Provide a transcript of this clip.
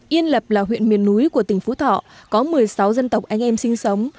yên lập là huyện miền núi của tỉnh phú thọ có một mươi sáu dân tộc anh em sinh sống